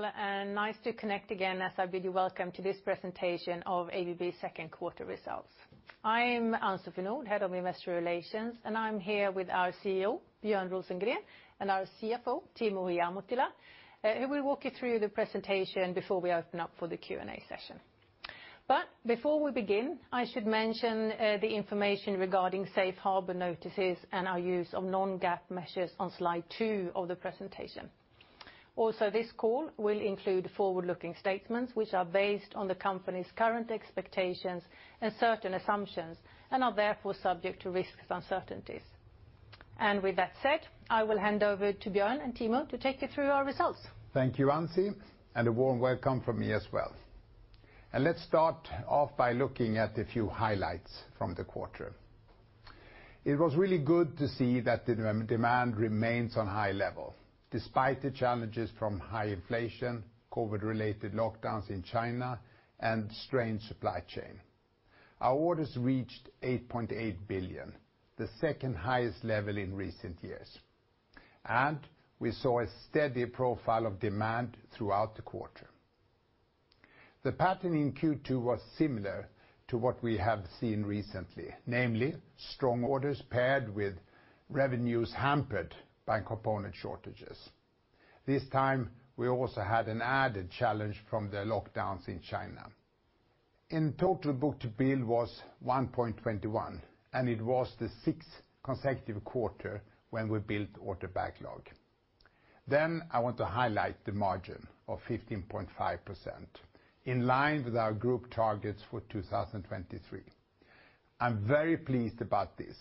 Greetings to you all, and nice to connect again as I bid you welcome to this presentation of ABB second quarter results. I'm Ann-Sofie Nordh, Head of Investor Relations, and I'm here with our CEO, Björn Rosengren, and our CFO, Timo Ihamuotila, who will walk you through the presentation before we open up for the Q&A session. Before we begin, I should mention the information regarding safe harbor notices and our use of non-GAAP measures on slide two of the presentation. Also, this call will include forward-looking statements, which are based on the company's current expectations and certain assumptions, and are therefore subject to risks and uncertainties. With that said, I will hand over to Björn and Timo to take you through our results. Thank you, Ancy, and a warm welcome from me as well. Let's start off by looking at a few highlights from the quarter. It was really good to see that the demand remains on high level, despite the challenges from high inflation, COVID-related lockdowns in China, and strained supply chain. Our orders reached $8.8 billion, the second-highest level in recent years. We saw a steady profile of demand throughout the quarter. The pattern in Q2 was similar to what we have seen recently, namely strong orders paired with revenues hampered by component shortages. This time, we also had an added challenge from the lockdowns in China. In total, book-to-bill was 1.21x, and it was the sixth consecutive quarter when we built order backlog. I want to highlight the margin of 15.5%, in line with our group targets for 2023. I'm very pleased about this,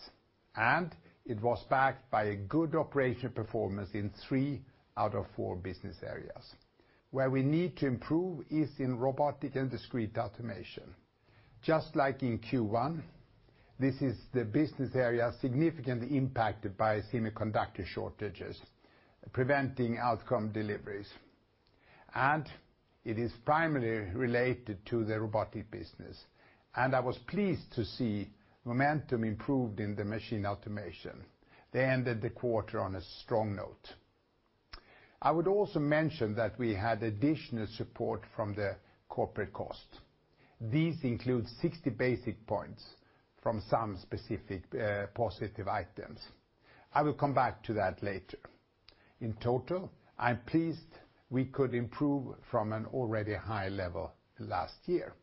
and it was backed by a good operational performance in three out of four business areas. Where we need to improve is in Robotics & Discrete Automation. Just like in Q1, this is the business area significantly impacted by semiconductor shortages, preventing outbound deliveries. It is primarily related to the Robotics business, and I was pleased to see momentum improved in the Machine Automation. They ended the quarter on a strong note. I would also mention that we had additional support from the corporate costs. These include 60 basis points from some specific, positive items. I will come back to that later. In total, I'm pleased we could improve from an already high level last year.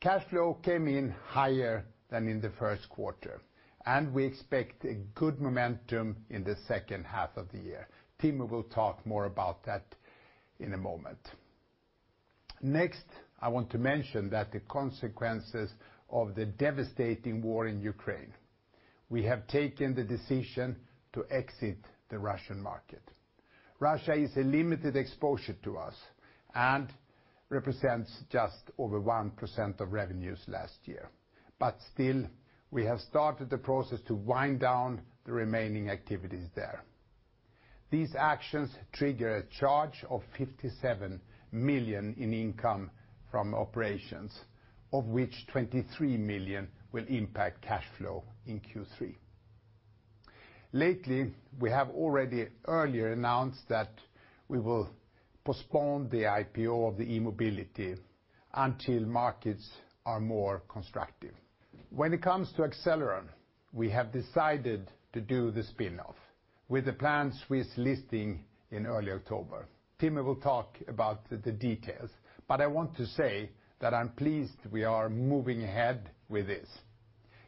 Cash flow came in higher than in the first quarter, and we expect a good momentum in the second half of the year. Timo will talk more about that in a moment. Next, I want to mention that the consequences of the devastating war in Ukraine, we have taken the decision to exit the Russian market. Russia is a limited exposure to us and represents just over 1% of revenues last year. Still, we have started the process to wind down the remaining activities there. These actions trigger a charge of $57 million in income from operations, of which $23 million will impact cashflow in Q3. Lately, we have already earlier announced that we will postpone the IPO of the E-mobility until markets are more constructive. When it comes to Accelleron, we have decided to do the spin-off with the planned Swiss listing in early October. Timo will talk about the details. I want to say that I'm pleased we are moving ahead with this.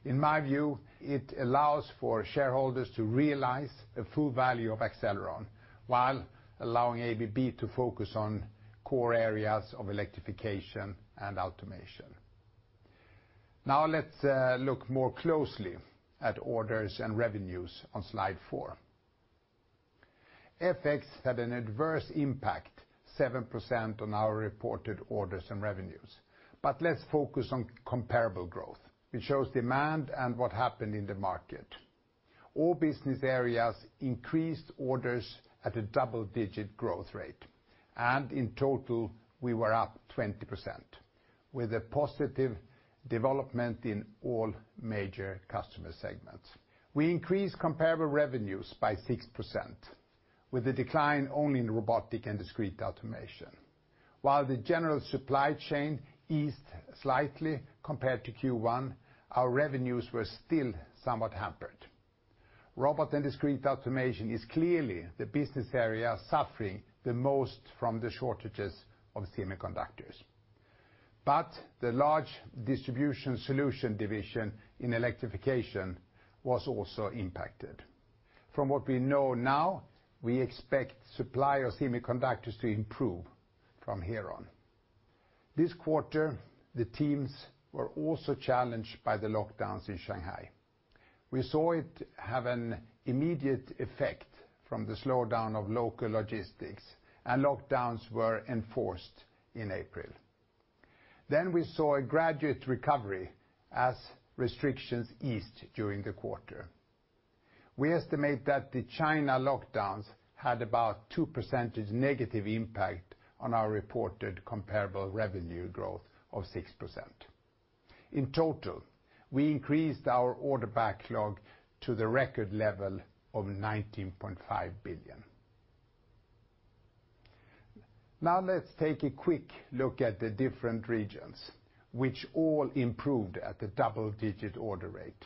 In my view, it allows for shareholders to realize the full value of Accelleron while allowing ABB to focus on core areas of electrification and automation. Now let's look more closely at orders and revenues on slide four. FX had an adverse impact 7% on our reported orders and revenues. But, let's focus on comparable growth. It shows demand and what happened in the market. All business areas increased orders at a double-digit growth rate, and in total, we were up 20% with a positive development in all major customer segments. We increased comparable revenues by 6%, with the decline only in Robotics & Discrete Automation. While the general supply chain eased slightly compared to Q1, our revenues were still somewhat hampered. Robotics & Discrete Automation is clearly the business area suffering the most from the shortages of semiconductors. The large Distribution Solutions division in Electrification was also impacted. From what we know now, we expect supply of semiconductors to improve from here on. This quarter, the teams were also challenged by the lockdowns in Shanghai. We saw it have an immediate effect from the slowdown of local logistics, and lockdowns were enforced in April. Then we saw a gradual recovery as restrictions eased during the quarter. We estimate that the China lockdowns had about 2%- impact on our reported comparable revenue growth of 6%. In total, we increased our order backlog to the record level of $19.5 billion. Now let's take a quick look at the different regions, which all improved at the double-digit order rate.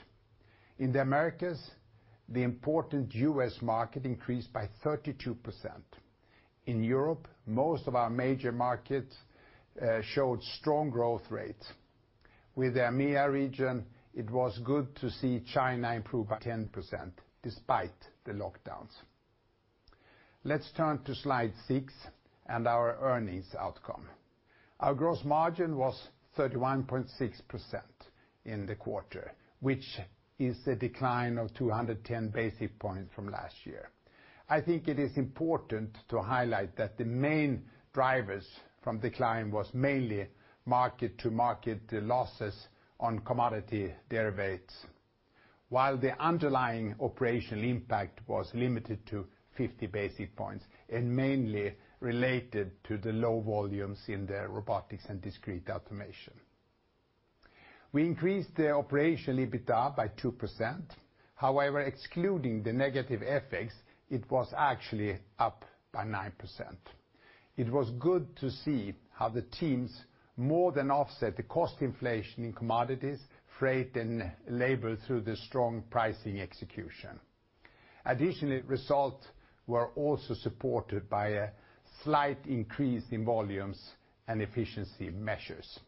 In the Americas, the important U.S. market increased by 32%. In Europe, most of our major markets showed strong growth rates. With the EMEA region, it was good to see China improve by 10% despite the lockdowns. Let's turn to slide six and our earnings outcome. Our gross margin was 31.6% in the quarter, which is a decline of 210 basis points from last year. I think it is important to highlight that the main drivers from decline was mainly mark-to-market, the losses on commodity derivatives, while the underlying operational impact was limited to 50 basis points and mainly related to the low volumes in the Robotics & Discrete Automation. We increased the operational EBITA by 2%. However, excluding the negative FX, it was actually up by 9%. It was good to see how the teams more than offset the cost inflation in commodities, freight, and labor through the strong pricing execution. Results were also supported by a slight increase in volumes and efficiency measures.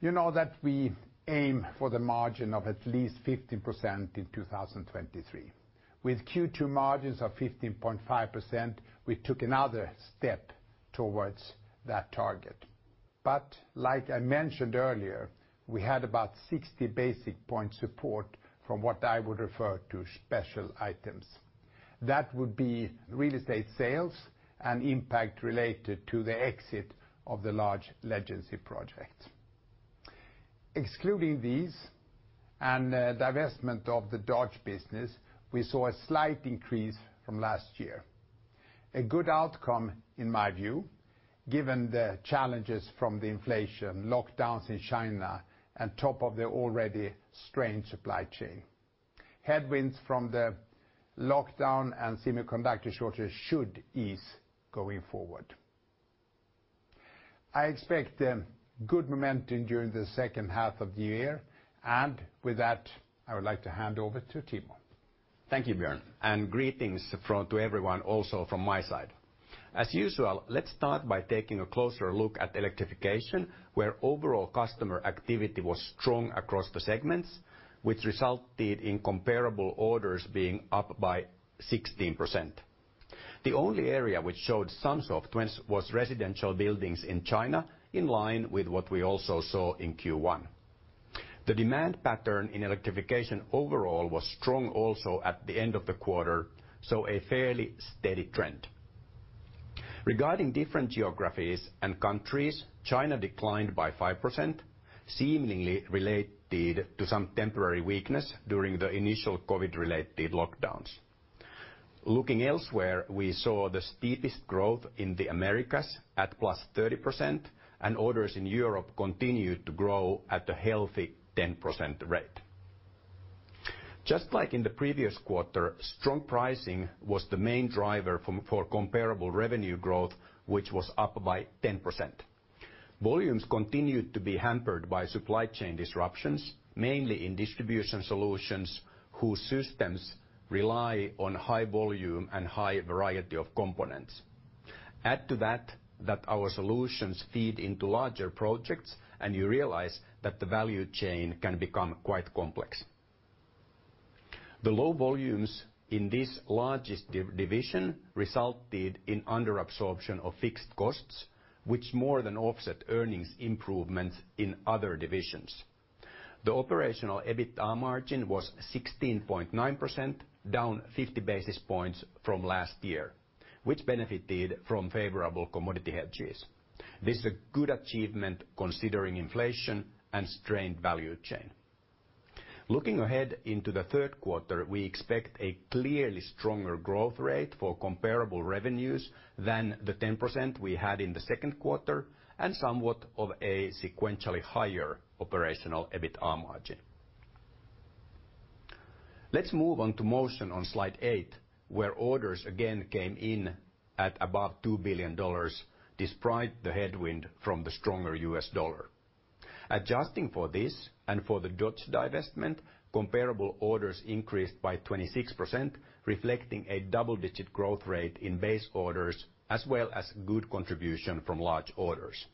You know that we aim for the margin of at least 15% in 2023. With Q2 margins of 15.5%, we took another step towards that target. Like I mentioned earlier, we had about 60 basis points support from what I would refer to as special items. That would be real estate sales and impact related to the exit of the large legacy projects. Excluding these and the divestment of the Dodge business, we saw a slight increase from last year. A good outcome in my view, given the challenges from the inflation, lockdowns in China, on top of the already strained supply chain. Headwinds from the lockdown and semiconductor shortage should ease going forward. I expect good momentum during the second half of the year, and with that, I would like to hand over to Timo. Thank you, Björn. Greetings to everyone also from my side. As usual, let's start by taking a closer look at Electrification, where overall customer activity was strong across the segments, which resulted in comparable orders being up by 16%. The only area which showed some softness was residential buildings in China, in line with what we also saw in Q1. The demand pattern in Electrification overall was strong also at the end of the quarter, so a fairly steady trend. Regarding different geographies and countries, China declined by 5%, seemingly related to some temporary weakness during the initial COVID-related lockdowns. Looking elsewhere, we saw the steepest growth in the Americas at +30%, and orders in Europe continued to grow at a healthy 10% rate. Just like in the previous quarter, strong pricing was the main driver for comparable revenue growth, which was up by 10%. Volumes continued to be hampered by supply chain disruptions, mainly in Distribution Solutions whose systems rely on high volume and high variety of components. Add to that our solutions feed into larger projects, and you realize that the value chain can become quite complex. The low volumes in this largest division resulted in under absorption of fixed costs, which more than offset earnings improvements in other divisions. The operational EBITA margin was 16.9%, down 50 basis points from last year, which benefited from favorable commodity hedges. This is a good achievement considering inflation and strained value chain. Looking ahead into the third quarter, we expect a clearly stronger growth rate for comparable revenues than the 10% we had in the second quarter, and somewhat of a sequentially higher operational EBITA margin. Let's move on to Motion on slide eight, where orders again came in at above $2 billion despite the headwind from the stronger U.S. dollar. Adjusting for this and for the Dodge divestment, comparable orders increased by 26%, reflecting a double-digit growth rate in base orders, as well as good contribution from large orders.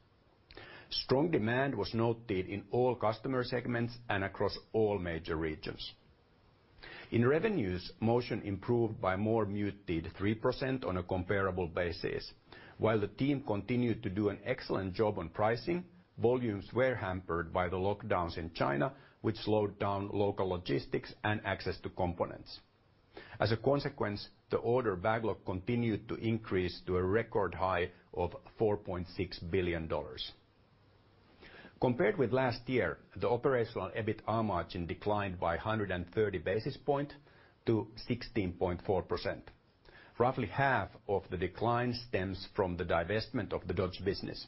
Strong demand was noted in all customer segments and across all major regions. In revenues, Motion improved by more muted 3% on a comparable basis. While the team continued to do an excellent job on pricing, volumes were hampered by the lockdowns in China, which slowed down local logistics and access to components. As a consequence, the order backlog continued to increase to a record high of $4.6 billion. Compared with last year, the operational EBITA margin declined by 130 basis points to 16.4%. Roughly half of the decline stems from the divestment of the Dodge business.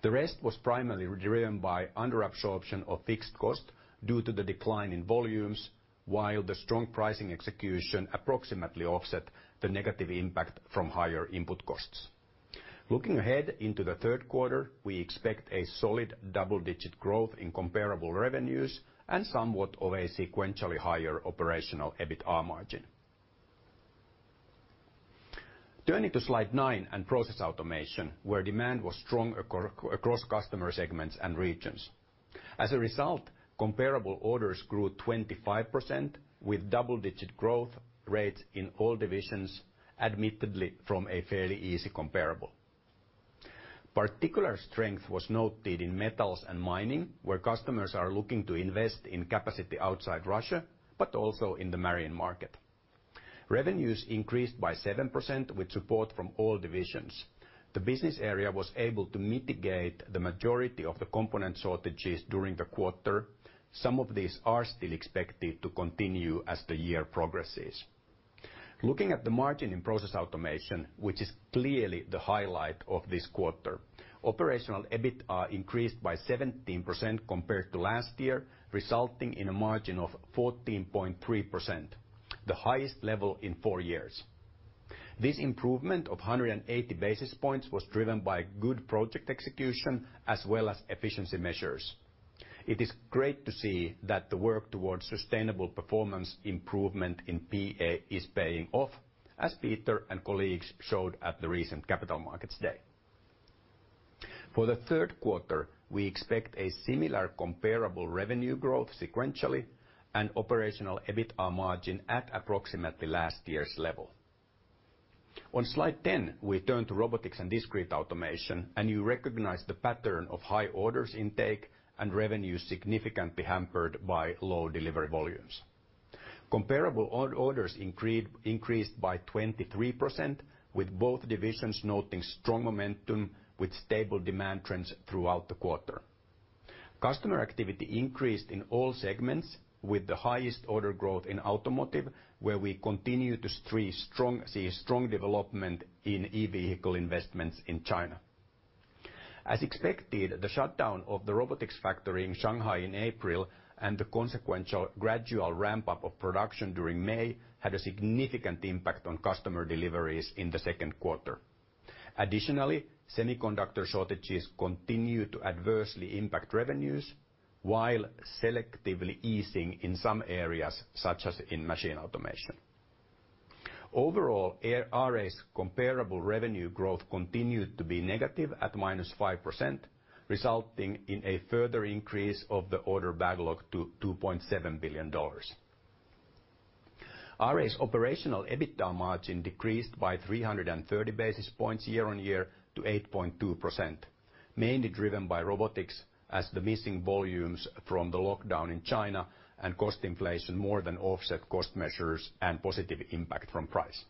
The rest was primarily driven by under absorption of fixed cost due to the decline in volumes while the strong pricing execution approximately offset the negative impact from higher input costs. Looking ahead into the third quarter, we expect a solid double-digit growth in comparable revenues and somewhat of a sequentially higher operational EBITA margin. Turning to slide nine and Process Automation, where demand was strong across customer segments and regions. As a result, comparable orders grew 25% with double-digit growth rates in all divisions, admittedly from a fairly easy comparable. Particular strength was noted in metals and mining, where customers are looking to invest in capacity outside Russia, but also in the marine market. Revenues increased by 7% with support from all divisions. The business area was able to mitigate the majority of the component shortages during the quarter. Some of these are still expected to continue as the year progresses. Looking at the margin in Process Automation, which is clearly the highlight of this quarter, operational EBITA increased by 17% compared to last year, resulting in a margin of 14.3%, the highest level in four years. This improvement of 180 basis points was driven by good project execution as well as efficiency measures. It is great to see that the work towards sustainable performance improvement in PA is paying off, as Peter and colleagues showed at the recent Capital Markets Day. For the third quarter, we expect a similar comparable revenue growth sequentially and operational EBITA margin at approximately last year's level. On slide 10, we turn to Robotics & Discrete Automation, and you recognize the pattern of high orders intake and revenues significantly hampered by low delivery volumes. Comparable orders increased by 23%, with both divisions noting strong momentum with stable demand trends throughout the quarter. Customer activity increased in all segments, with the highest order growth in automotive, where we continue to see strong development in EV investments in China. As expected, the shutdown of the robotics factory in Shanghai in April and the consequential gradual ramp-up of production during May had a significant impact on customer deliveries in the second quarter. Additionally, semiconductor shortages continue to adversely impact revenues, while selectively easing in some areas, such as in Machine Automation. Overall, RA's comparable revenue growth continued to be negative at -5%, resulting in a further increase of the order backlog to $2.7 billion. RA's operational EBITA margin decreased by 330 basis points year-on-year to 8.2%, mainly driven by Robotics as the missing volumes from the lockdown in China and cost inflation more than offset cost measures and positive impact from price.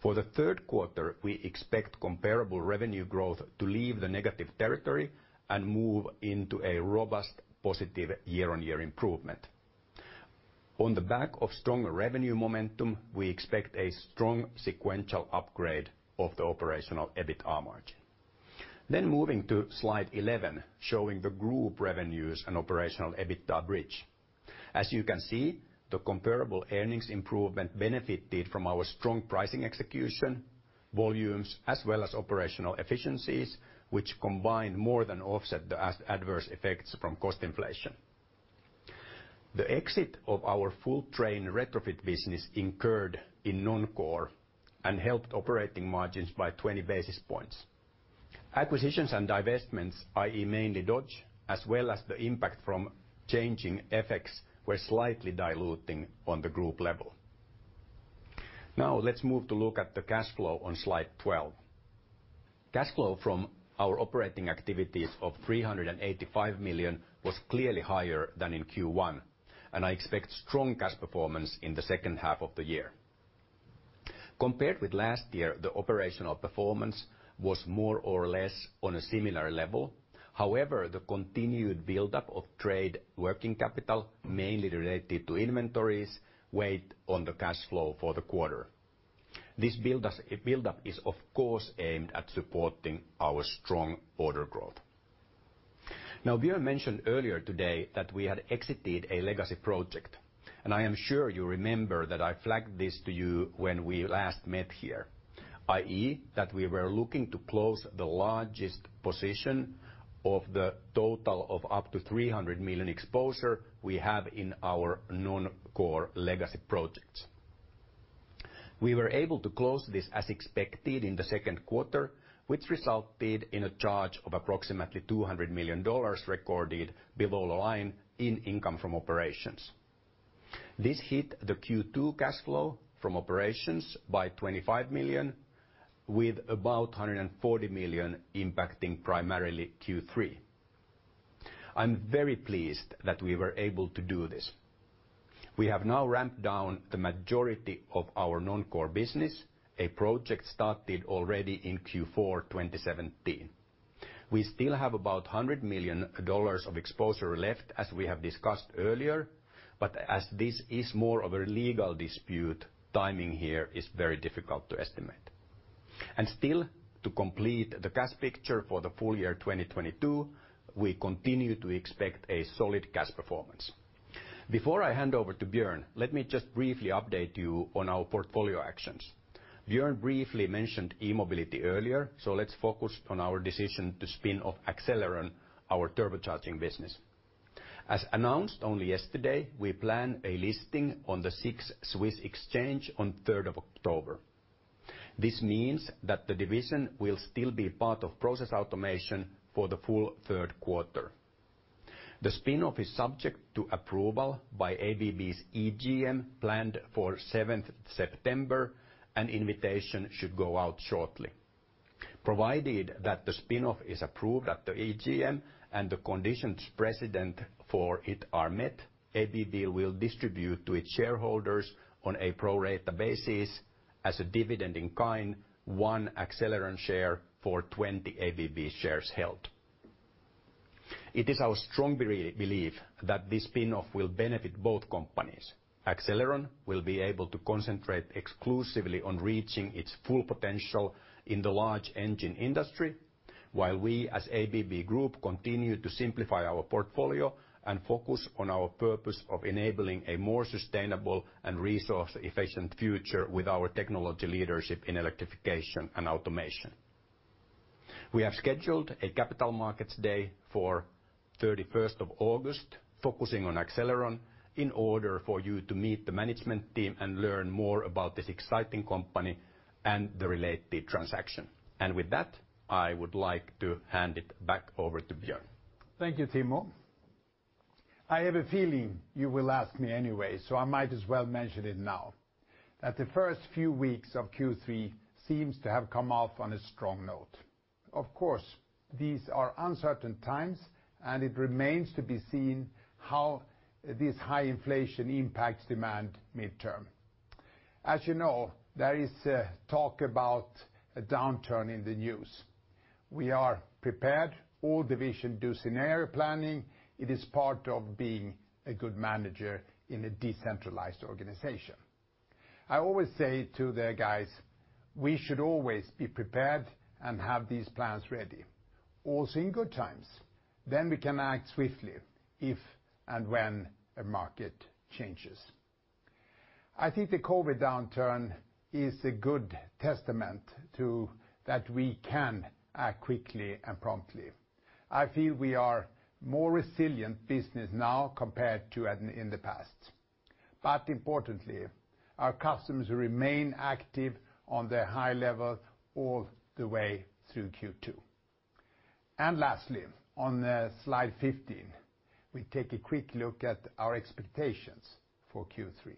For the third quarter, we expect comparable revenue growth to leave the negative territory and move into a robust positive year-on-year improvement. On the back of strong revenue momentum, we expect a strong sequential upgrade of the operational EBITA margin. Moving to slide 11, showing the group revenues and operational EBITA bridge. As you can see, the comparable earnings improvement benefited from our strong pricing execution, volumes, as well as operational efficiencies, which combined more than offset the adverse effects from cost inflation. The exit of our Full Train Retrofit business in non-core helped operating margins by 20 basis points. Acquisitions and divestments, i.e., mainly Dodge, as well as the impact from changing FX, were slightly diluting on the group level. Now let's move to look at the cash flow on slide 12. Cash flow from our operating activities of $385 million was clearly higher than in Q1, and I expect strong cash performance in the second half of the year. Compared with last year, the operational performance was more or less on a similar level. However, the continued buildup of trade working capital, mainly related to inventories, weighed on the cash flow for the quarter. This buildup is, of course, aimed at supporting our strong order growth. Now, Björn mentioned earlier today that we had exited a legacy project, and I am sure you remember that I flagged this to you when we last met here, i.e., that we were looking to close the largest position of the total of up to $300 million exposure we have in our non-core legacy projects. We were able to close this as expected in the second quarter, which resulted in a charge of approximately $200 million recorded below the line in income from operations. This hit the Q2 cash flow from operations by $25 million, with about $140 million impacting primarily Q3. I'm very pleased that we were able to do this. We have now ramped down the majority of our non-core business, a project started already in Q4 2017. We still have about $100 million of exposure left, as we have discussed earlier. As this is more of a legal dispute, timing here is very difficult to estimate. Still, to complete the cash picture for the full year 2022, we continue to expect a solid cash performance. Before I hand over to Björn, let me just briefly update you on our portfolio actions. Björn briefly mentioned E-mobility earlier, so let's focus on our decision to spin off Accelleron, our turbocharging business. As announced only yesterday, we plan a listing on the SIX Swiss Exchange on 3rd of October. This means that the division will still be part of Process Automation for the full third quarter. The spin-off is subject to approval by ABB's EGM, planned for 7th September. An invitation should go out shortly. Provided that the spin-off is approved at the AGM and the conditions precedent for it are met, ABB will distribute to its shareholders on a pro rata basis as a dividend in kind, one Accelleron share for 20 ABB shares held. It is our strong belief that this spin-off will benefit both companies. Accelleron will be able to concentrate exclusively on reaching its full potential in the large engine industry, while we as ABB Group continue to simplify our portfolio and focus on our purpose of enabling a more sustainable and resource-efficient future with our technology leadership in electrification and automation. We have scheduled a Capital Markets Day for 31st of August, focusing on Accelleron in order for you to meet the management team and learn more about this exciting company and the related transaction. With that, I would like to hand it back over to Björn. Thank you, Timo. I have a feeling you will ask me anyway, so I might as well mention it now, that the first few weeks of Q3 seems to have come off on a strong note. Of course, these are uncertain times, and it remains to be seen how this high inflation impacts demand midterm. As you know, there is talk about a downturn in the news. We are prepared. All divisions do scenario planning. It is part of being a good manager in a decentralized organization. I always say to the guys, "We should always be prepared and have these plans ready, also in good times. Then we can act swiftly if and when a market changes." I think the COVID downturn is a good testament to that we can act quickly and promptly. I feel we are more resilient business now compared to in the past. Importantly, our customers remain active on their high level all the way through Q2. Lastly, on slide 15, we take a quick look at our expectations for Q3.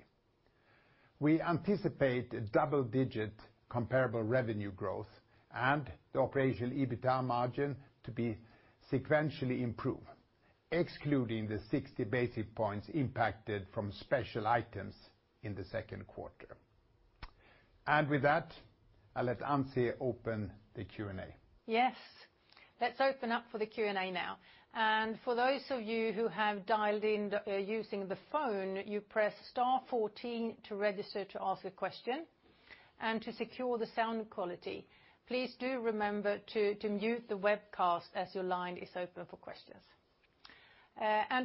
We anticipate double-digit comparable revenue growth and the operational EBITA margin to be sequentially improved, excluding the 60 basis points impacted from special items in the second quarter. With that, I'll let Ancy open the Q&A. Yes. Let's open up for the Q&A now. For those of you who have dialed in using the phone, you press star 14 to register to ask a question. To secure the sound quality, please do remember to mute the webcast as your line is open for questions.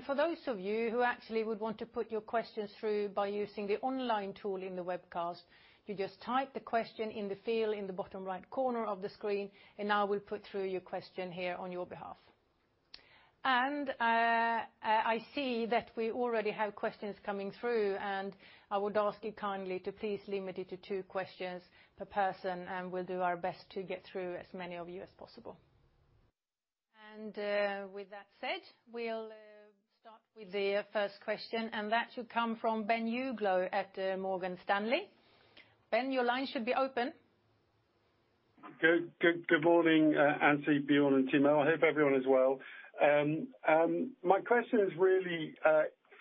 For those of you who actually would want to put your questions through by using the online tool in the webcast, you just type the question in the field in the bottom right corner of the screen, and I will put through your question here on your behalf. I see that we already have questions coming through, and I would ask you kindly to please limit it to two questions per person, and we'll do our best to get through as many of you as possible. With that said, we'll start with the first question, and that should come from Ben Uglow at Morgan Stanley. Ben, your line should be open. Good morning, Ancy, Björn, and Timo. I hope everyone is well. My question is really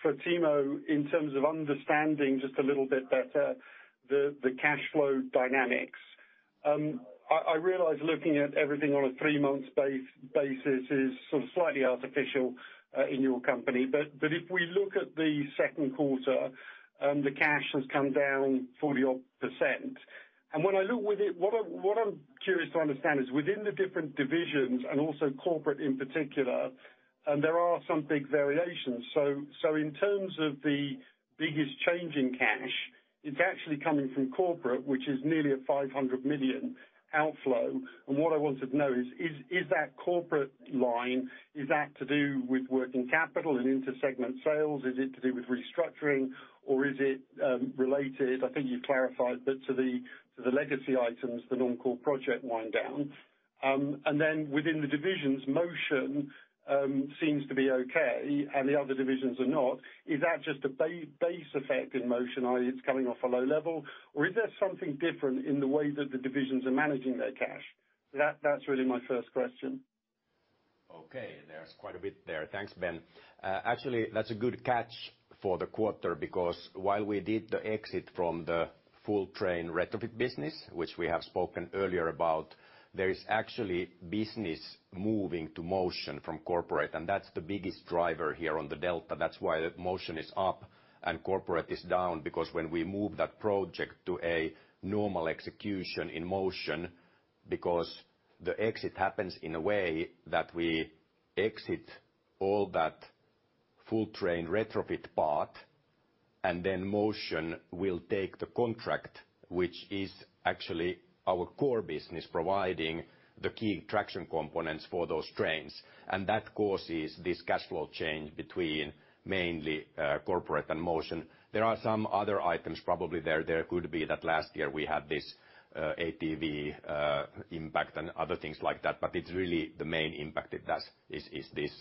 for Timo in terms of understanding just a little bit better the cash flow dynamics. I realize looking at everything on a three-month basis is sort of slightly artificial in your company. If we look at the second quarter, the cash has come down 40-odd-percent. When I look at it, what I'm curious to understand is within the different divisions and also corporate in particular, and there are some big variations. In terms of the biggest change in cash, it's actually coming from corporate, which is nearly a $500 million outflow. What I wanted to know is that corporate line to do with working capital and inter-segment sales? Is it to do with restructuring, or is it related, I think you clarified, but to the legacy items, the non-core project wind down? Within the divisions, Motion seems to be okay and the other divisions are not. Is that just a base effect in Motion, i.e., it's coming off a low level? Is there something different in the way that the divisions are managing their cash? That's really my first question. Okay, there's quite a bit there. Thanks, Ben. Actually, that's a good catch for the quarter because while we did the exit from the Full Train Retrofit business, which we have spoken earlier about, there is actually business moving to Motion from Corporate, and that's the biggest driver here on the delta. That's why the Motion is up and Corporate is down because when we move that project to a normal execution in Motion, because the exit happens in a way that we exit all that Full Train Retrofit part, and then Motion will take the contract, which is actually our core business providing the key traction components for those trains. That causes this cash flow change between mainly Corporate and Motion. There are some other items probably there. There could be that last year we had this ATV impact and other things like that, but it's really the main impact it does is this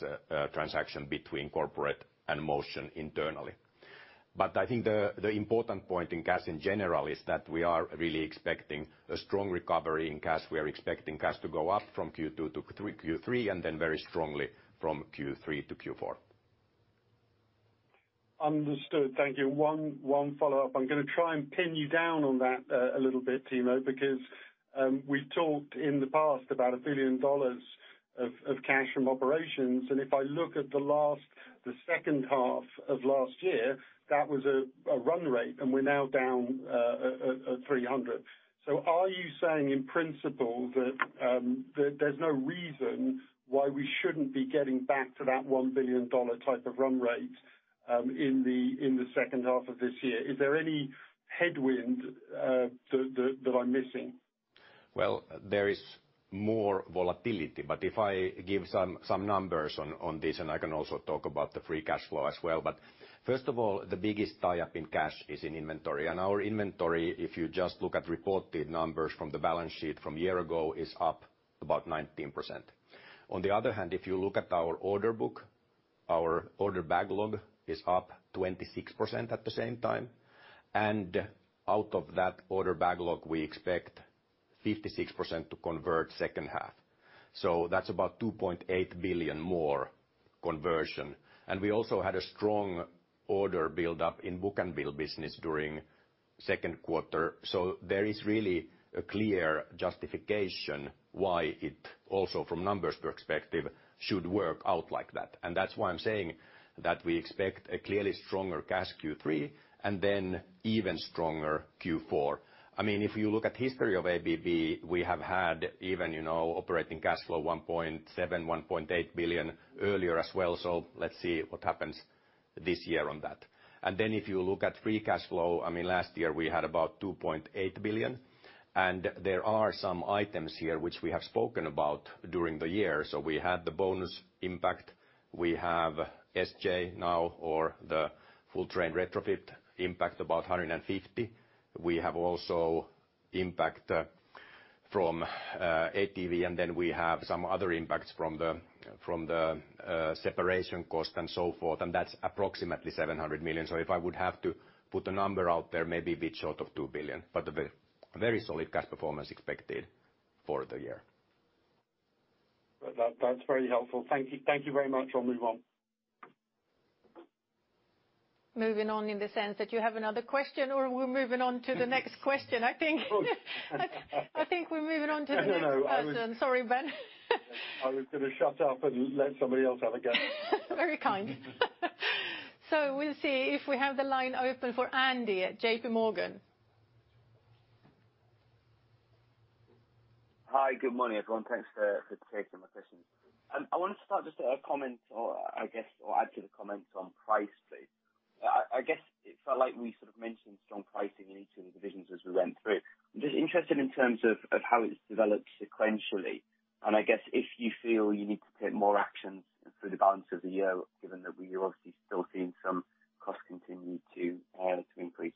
transaction between Corporate and Motion internally. I think the important point in cash in general is that we are really expecting a strong recovery in cash. We are expecting cash to go up from Q2 to Q3, and then very strongly from Q3 to Q4. Understood. Thank you. One follow-up. I'm gonna try and pin you down on that a little bit, Timo, because we've talked in the past about $1 billion of cash from operations. If I look at the second half of last year, that was a run rate, and we're now down at $300 million. Are you saying in principle that there's no reason why we shouldn't be getting back to that $1 billion type of run rate in the second half of this year? Is there any headwind that I'm missing? Well, there is more volatility, but if I give some numbers on this, and I can also talk about the free cash flow as well. First of all, the biggest tie-up in cash is in inventory. Our inventory, if you just look at reported numbers from the balance sheet from a year ago, is up about 19%. On the other hand, if you look at our order book, our order backlog is up 26% at the same time. Out of that order backlog, we expect 56% to convert second half. That's about $2.8 billion more conversion. We also had a strong order buildup in book-to-bill business during second quarter. There is really a clear justification why it also from numbers perspective should work out like that. That's why I'm saying that we expect a clearly stronger cash Q3 and then even stronger Q4. I mean, if you look at history of ABB, we have had even, you know, operating cash flow $1.7 billion, $1.8 billion earlier as well. Let's see what happens this year on that. Then if you look at free cash flow, I mean, last year we had about $2.8 billion, and there are some items here which we have spoken about during the year. We had the bonus impact. We have SJ now or the Full Train Retrofit impact about $150 million. We have also impact from ATV, and then we have some other impacts from the separation cost and so forth, and that's approximately $700 million. If I would have to put a number out there, maybe a bit short of $2 billion, but a very solid cash performance expected for the year. That, that's very helpful. Thank you. Thank you very much. I'll move on. Moving on in the sense that you have another question or we're moving on to the next question? I think we're moving on to the next person. No, no. Sorry, Ben. I was gonna shut up and let somebody else have a go. Very kind. We'll see if we have the line open for Andy at JPMorgan. Hi, good morning, everyone. Thanks for taking my question. I wanted to start just a comment or I guess, or add to the comments on price please. I guess it felt like we sort of mentioned strong pricing in each of the divisions as we went through. I'm just interested in terms of how it's developed sequentially, and I guess if you feel you need to take more actions through the balance of the year, given that we are obviously still seeing some costs continue to increase.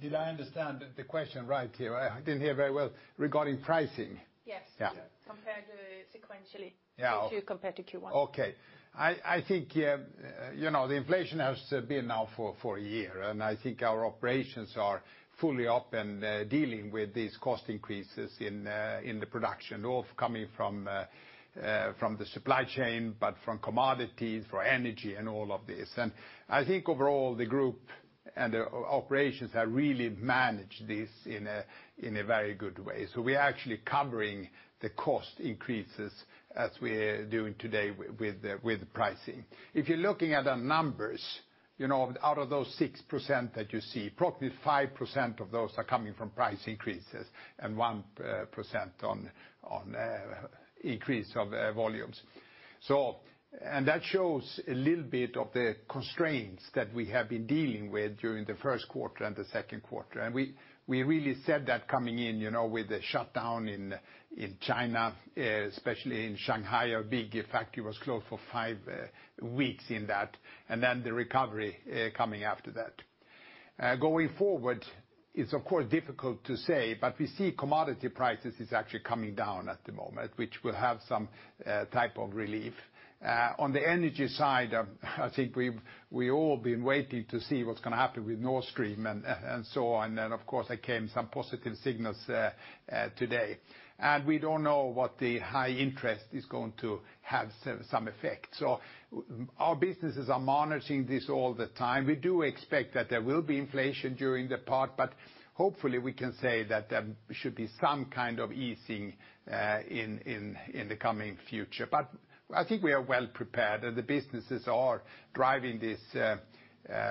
Did I understand the question right here? I didn't hear very well. Regarding pricing? Yes. Yeah. Compared to sequentially— Yeah. —Q2 compared to Q1. I think the inflation has been now for a year, and I think our operations are fully up and dealing with these cost increases in the production, both coming from the supply chain, but from commodities, for energy and all of this. I think overall the group and the operations have really managed this in a very good way. We're actually covering the cost increases as we're doing today with pricing. If you're looking at the numbers, you know, out of those 6% that you see, probably 5% of those are coming from price increases and 1% on increase of volumes. That shows a little bit of the constraints that we have been dealing with during the first quarter and the second quarter. We really said that coming in, you know, with the shutdown in China, especially in Shanghai, a big factory was closed for five weeks in that, and then the recovery coming after that. Going forward, it's of course difficult to say, but we see commodity prices is actually coming down at the moment, which will have some type of relief. On the energy side, I think we've all been waiting to see what's gonna happen with Nord Stream and so on. Of course there came some positive signals today. We don't know what the high interest is going to have some effect. Our businesses are monitoring this all the time. We do expect that there will be inflation during the part, but hopefully we can say that there should be some kind of easing in the coming future. I think we are well prepared, and the businesses are driving this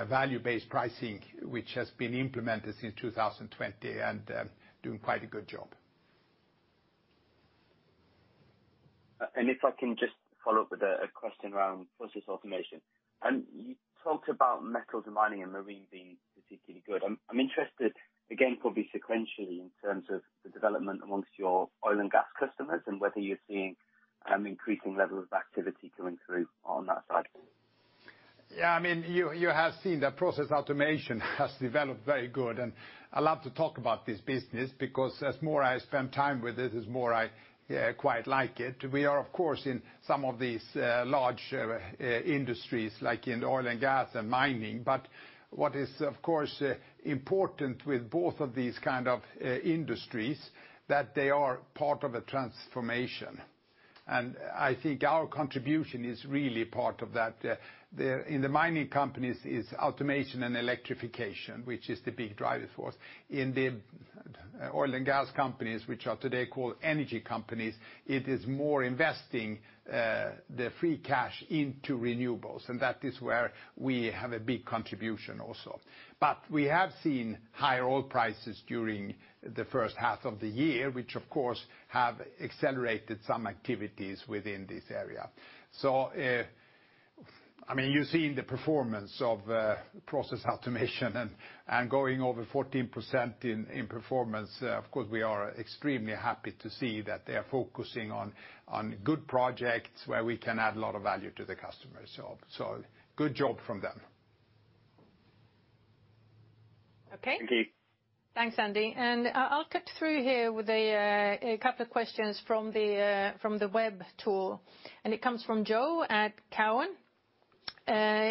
value-based pricing which has been implemented since 2020, and doing quite a good job. If I can just follow up with a question around Process Automation. You talked about metals and mining and marine being particularly good. I'm interested, again, probably sequentially in terms of the development among your oil and gas customers and whether you're seeing increasing level of activity coming through on that side. Yeah. I mean, you have seen that Process Automation has developed very good. I love to talk about this business because the more I spend time with it, the more I quite like it. We are of course in some of these large industries, like in oil and gas and mining, but what is of course important with both of these kind of industries, that they are part of a transformation. I think our contribution is really part of that. In the mining companies is automation and electrification, which is the big driving force. In the oil and gas companies, which are today called energy companies, it is more investing the free cash into renewables, and that is where we have a big contribution also. We have seen higher oil prices during the first half of the year, which of course have accelerated some activities within this area. I mean, you've seen the performance of Process Automation and going over 14% in performance. Of course, we are extremely happy to see that they are focusing on good projects where we can add a lot of value to the customer. So good job from them. Okay. Thank you. Thanks, Andy. I'll cut through here with a couple of questions from the web tool, and it comes from Joe at Cowen.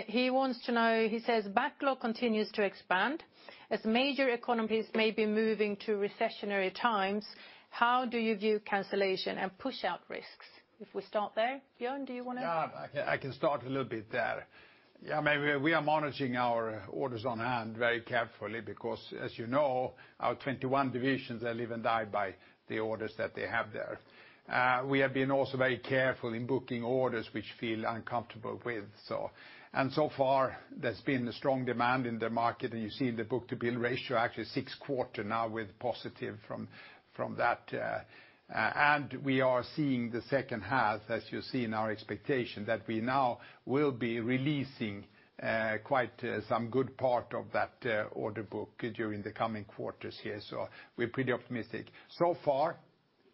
He wants to know, he says, "Backlog continues to expand. As major economies may be moving to recessionary times, how do you view cancellation and pushout risks?" If we start there. Björn, do you wanna? Yeah. I can start a little bit there. Yeah, I mean, we are monitoring our orders on hand very carefully because as you know, our 21 divisions, they live and die by the orders that they have there. We have been also very careful in booking orders which we feel uncomfortable with. So far there's been a strong demand in the market, and you see in the book-to-bill ratio actually six quarters now with positive from that. We are seeing the second half, as you see in our expectation, that we now will be releasing quite some good part of that order book during the coming quarters here. We're pretty optimistic. So far,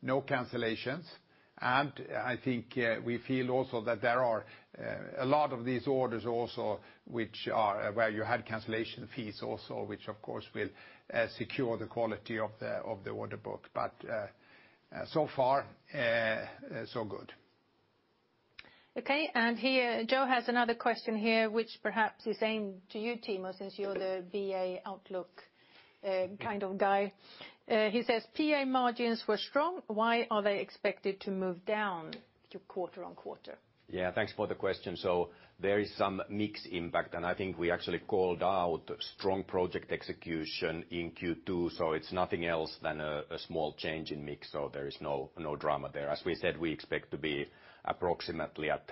no cancellations. I think we feel also that there are a lot of these orders also which are where you had cancellation fees also, which of course will secure the quality of the order book. So far, so good. Okay. Here, Joe has another question here, which perhaps is aimed to you, Timo, since you're the BA outlook, kind of guy. He says, "PA margins were strong. Why are they expected to move down quarter-over-quarter? Yeah. Thanks for the question. There is some mix impact, and I think we actually called out strong project execution in Q2, so it's nothing else than a small change in mix. There is no drama there. As we said, we expect to be approximately at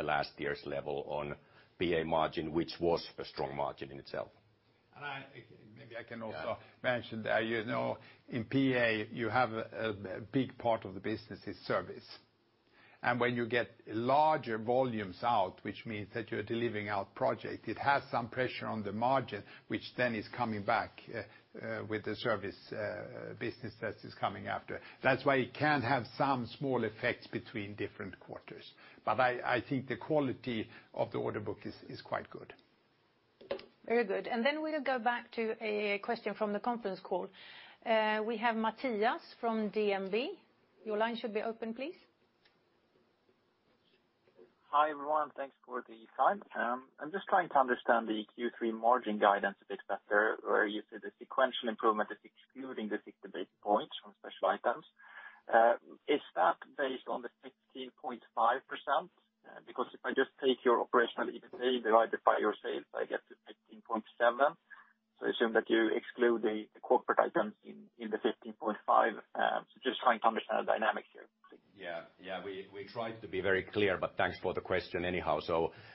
last year's level on PA margin, which was a strong margin in itself. Maybe I can also— Yeah. —mention that, you know, in PA you have a big part of the business is service, and when you get larger volumes out, which means that you're delivering the project, it has some pressure on the margin, which then is coming back with the service business that is coming after. That's why it can have some small effects between different quarters. I think the quality of the order book is quite good. Very good. We'll go back to a question from the conference call. We have Matthias from DNB. Your line should be open, please. Hi, everyone. Thanks for the time. I'm just trying to understand the Q3 margin guidance a bit better, where you said the sequential improvement is excluding the 60 basis points from special items. Is that based on the 15.5%? Because if I just take your operational EBITA divided by your sales, I get to 15.7%. I assume that you exclude the corporate items in the 15.5%. Just trying to understand the dynamic here, please. Yeah, we tried to be very clear, but thanks for the question anyhow.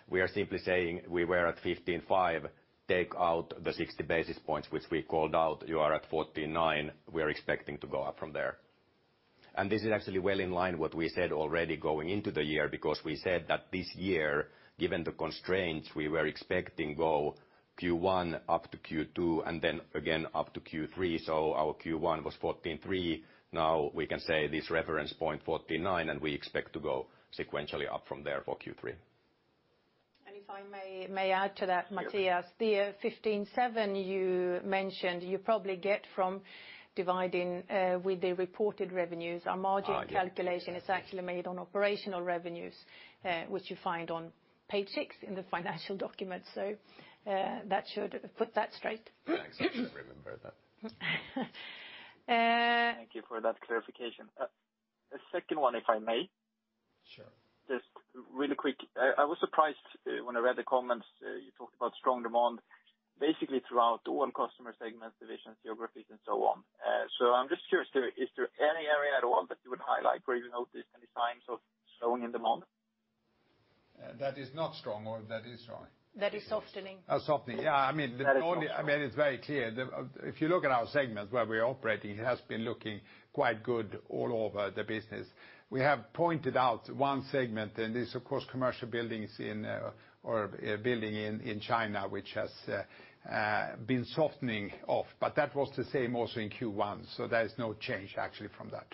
We are simply saying we were at 15.5%. Take out the 60 basis points which we called out. You are at 14.9%. We are expecting to go up from there. This is actually well in line with what we said already going into the year, because we said that this year, given the constraints, we were expecting go Q1 up to Q2 and then again up to Q3. Our Q1 was 14.3%. Now we can say this reference point, 14.9%, and we expect to go sequentially up from there for Q3. If I may add to that, Matthias. Yeah. The 15.7% you mentioned, you probably get from dividing with the reported revenues. Our margin— Yeah. —calculation is actually made on operational revenues, which you find on page six in the financial documents. That should put that straight. Thanks. I should remember that. Uh— Thank you for that clarification. A second one, if I may. Sure. Just really quick, I was surprised when I read the comments. You talked about strong demand basically throughout all customer segments, divisions, geographies and so on. I'm just curious, is there any area at all that you would highlight where you noticed any signs of softening demand? That is not strong or that is strong? That is softening. Oh, softening. Yeah, I mean. That is softening. I mean, it's very clear. If you look at our segments where we're operating, it has been looking quite good all over the business. We have pointed out one segment, and this of course, commercial buildings in, or building in China, which has been softening off, but that was the same also in Q1, so there is no change actually from that.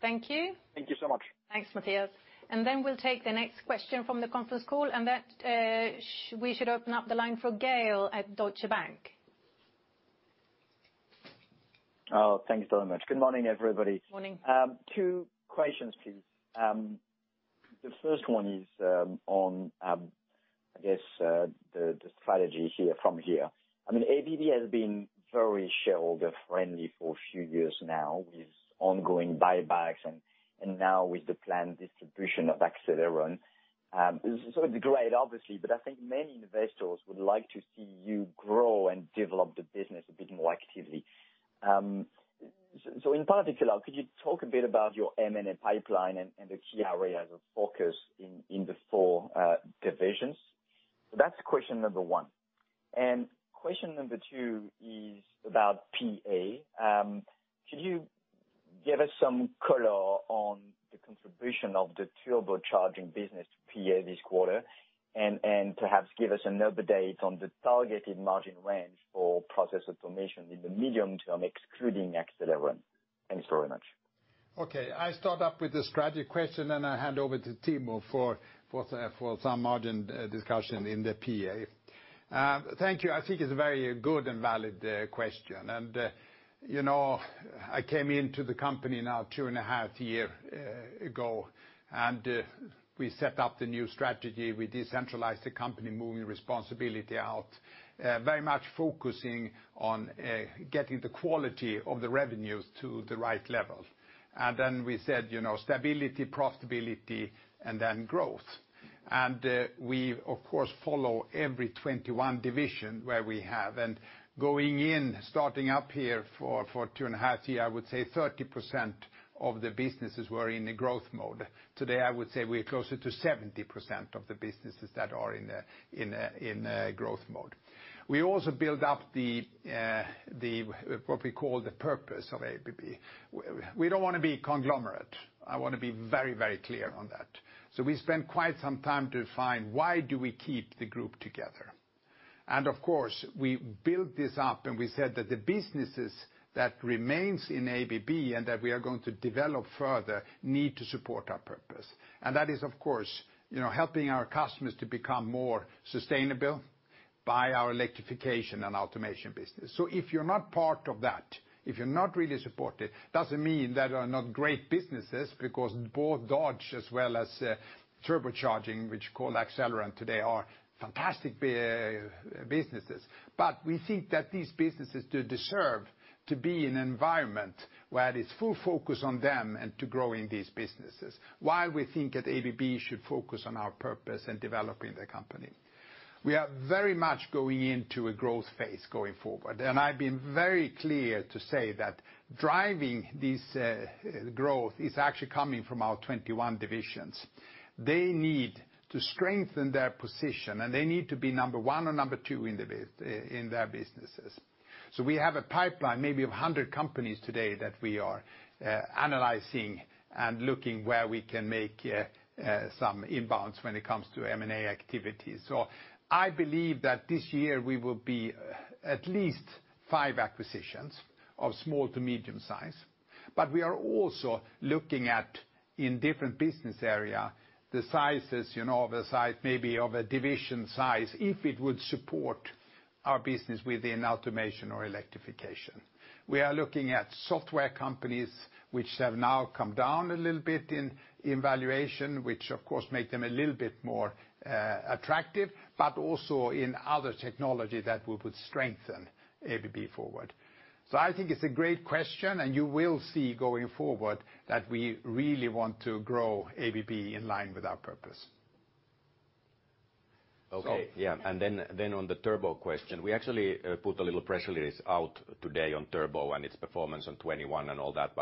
Thank you. Thank you so much. Thanks, Matthias. Then we'll take the next question from the conference call, and that, we should open up the line for Gael at Deutsche Bank. Oh, thanks very much. Good morning, everybody. Morning. Two questions, please. The first one is on, I guess, the strategy here from here. I mean, ABB has been very shareholder friendly for a few years now with ongoing buybacks and now with the planned distribution of Accelleron. It's great, obviously, but I think many investors would like to see you grow and develop the business a bit more actively. In particular, could you talk a bit about your M&A pipeline and the key areas of focus in the four divisions? That's question number one. Question number two is about PA. Could you give us some color on the contribution of the turbocharging business PA this quarter? Perhaps give us an update on the targeted margin range for process automation in the medium term, excluding Accelleron. Thanks very much. Okay. I start off with the strategy question, and I hand over to Timo for some margin discussion in the PA. Thank you. I think it's a very good and valid question. You know, I came into the company now two and a half year ago, and we set up the new strategy. We decentralized the company, moving responsibility out, very much focusing on getting the quality of the revenues to the right level. Then we said, you know, stability, profitability, and then growth. We of course follow every 21 division where we have. Going in, starting up here for two and a half year, I would say 30% of the businesses were in a growth mode. Today, I would say we're closer to 70% of the businesses that are in a growth mode. We also build up what we call the purpose of ABB. We don't wanna be conglomerate. I wanna be very, very clear on that. We spent quite some time to find why do we keep the group together. Of course, we built this up, and we said that the businesses that remain in ABB and that we are going to develop further need to support our purpose. That is of course, you know, helping our customers to become more sustainable by our electrification and automation business. If you're not part of that, if you're not really supported, it doesn't mean that they are not great businesses, because both Dodge as well as turbocharging, which we call Accelleron today, are fantastic businesses. We think that these businesses do deserve to be in an environment where it's full focus on them and to growing these businesses, while we think that ABB should focus on our purpose in developing the company. We are very much going into a growth phase going forward, and I've been very clear to say that driving this growth is actually coming from our 21 divisions. They need to strengthen their position, and they need to be number one or number two in their businesses. We have a pipeline maybe of 100 companies today that we are analyzing and looking where we can make some inbounds when it comes to M&A activities. I believe that this year we will be at least five acquisitions of small to medium size, but we are also looking at, in different business area, the sizes, you know, the size maybe of a division size, if it would support our business within Automation or Electrification. We are looking at software companies which have now come down a little bit in valuation, which of course make them a little bit more attractive, but also in other technology that would strengthen ABB forward. I think it's a great question, and you will see going forward that we really want to grow ABB in line with our purpose. Okay. Yeah. Then on the turbo question, we actually put a little press release out today on turbo and its performance in 2021 and all that.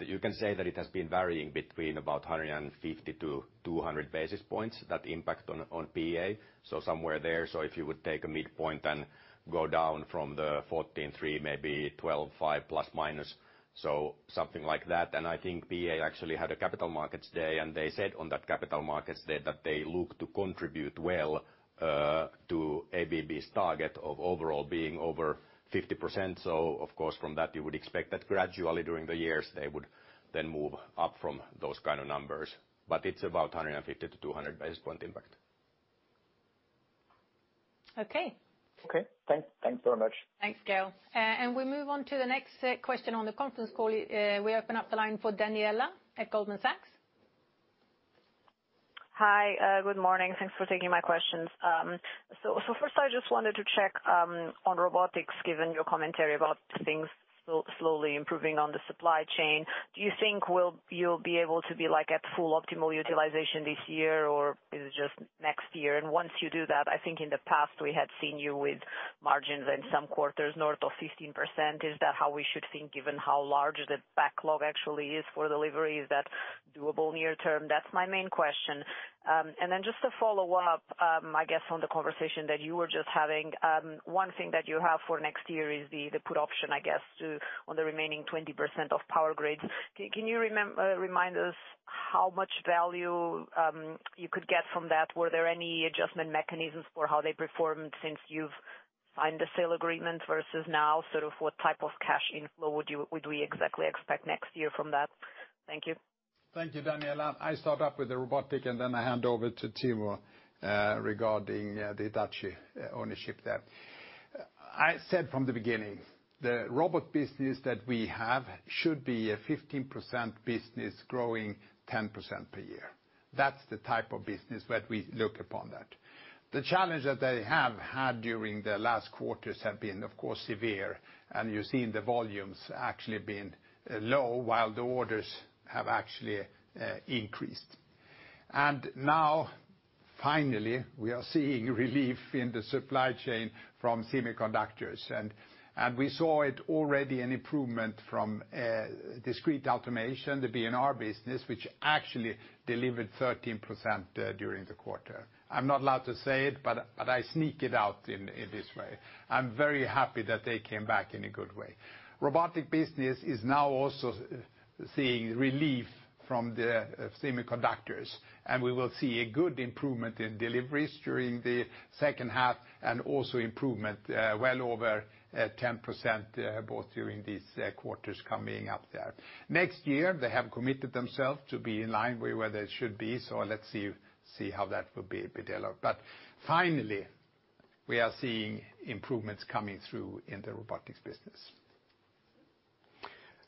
You can say that it has been varying between about 150 to 200 basis points, that impact on PA. Somewhere there. If you would take a midpoint and go down from the 14.3%, maybe 12.5±, so something like that. I think PA actually had a capital markets day, and they said on that capital markets day that they look to contribute well to ABB's target of overall being over 50%. Of course from that, you would expect that gradually during the years, they would then move up from those kind of numbers. It's about 150 to 200 basis point impact. Okay. Okay. Thanks. Thanks very much. Thanks, Gael. We move on to the next question on the conference call. We open up the line for Daniela at Goldman Sachs. Hi, good morning. Thanks for taking my questions. So, first I just wanted to check, on Robotics, given your commentary about things slowly improving on the supply chain. Do you think you'll be able to be, like, at full optimal utilization this year, or is it just next year? Once you do that, I think in the past we had seen you with margins in some quarters north of 15%. Is that how we should think, given how large the backlog actually is for delivery? Is that doable near term? That's my main question. To follow up, I guess on the conversation that you were just having, one thing that you have for next year is the put option, I guess, on the remaining 20% of Power Grids. Can you remind us how much value you could get from that? Were there any adjustment mechanisms for how they performed since you've signed the sale agreement versus now? Sort of what type of cash inflow would we exactly expect next year from that? Thank you. Thank you, Daniela. I start off with the Robotics, and then I hand over to Timo regarding the Hitachi ownership there. I said from the beginning, the Robotics business that we have should be a 15% business growing 10% per year. That's the type of business that we look upon that. The challenge that they have had during the last quarters have been, of course, severe, and you've seen the volumes actually been low while the orders have actually increased. Now, finally, we are seeing relief in the supply chain from semiconductors. We saw it already an improvement from Discrete Automation, the B&R business, which actually delivered 13% during the quarter. I'm not allowed to say it, but I sneak it out in this way. I'm very happy that they came back in a good way. Robotics business is now also seeing relief from the semiconductors, and we will see a good improvement in deliveries during the second half, and also improvement well over 10% both during these quarters coming up there. Next year, they have committed themselves to be in line with where they should be, so let's see how that will be developed. Finally, we are seeing improvements coming through in the Robotics business.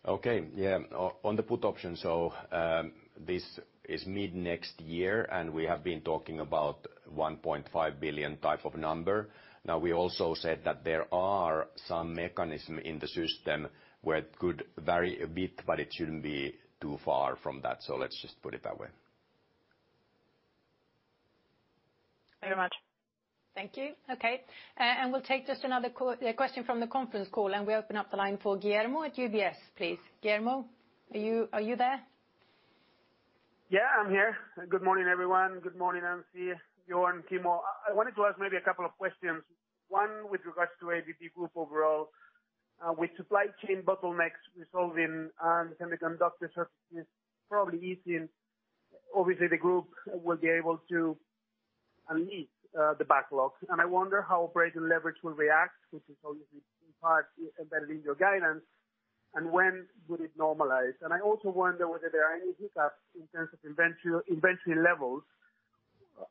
On the put option, this is mid-next year, and we have been talking about $1.5 billion type of number. Now we also said that there are some mechanism in the system where it could vary a bit, but it shouldn't be too far from that. Let's just put it that way. Thank you very much. Thank you. Okay. We'll take just another call, question from the conference call, and we open up the line for Guillermo at UBS, please. Guillermo, are you there? Yeah, I'm here. Good morning, everyone. Good morning, Ancy, Björn, Timo. I wanted to ask maybe a couple of questions, one with regards to ABB Group overall. With supply chain bottlenecks resolving and semiconductor shortages probably easing, obviously the Group will be able to unleash the backlog. I wonder how operating leverage will react, which is obviously in part embedded in your guidance, and when would it normalize? I also wonder whether there are any hiccups in terms of inventory levels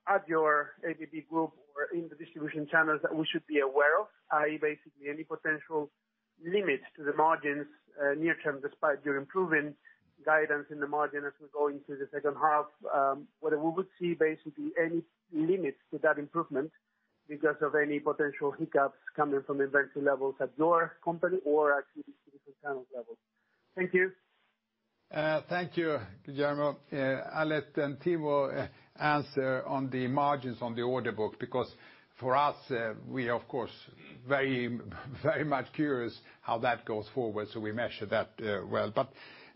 at your ABB Group or in the distribution channels that we should be aware of? I.e., basically any potential limits to the margins near term, despite your improving guidance in the margin as we go into the second half. Whether we would see basically any limits to that improvement because of any potential hiccups coming from inventory levels at your company or actually distribution channel levels. Thank you. Thank you, Guillermo. I'll let Timo answer on the margins on the order book, because for us, we are of course very, very much curious how that goes forward, so we measure that, well.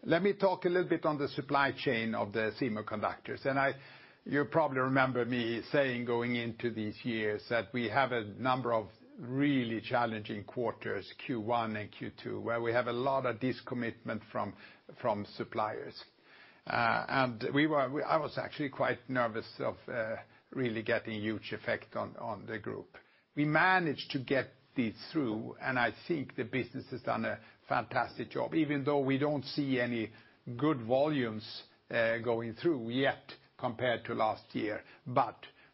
Let me talk a little bit on the supply chain of the semiconductors. You probably remember me saying going into these years that we have a number of really challenging quarters, Q1 and Q2, where we have a lot of discommitment from suppliers. I was actually quite nervous of really getting huge effect on the Group. We managed to get this through, and I think the business has done a fantastic job, even though we don't see any good volumes going through yet compared to last year.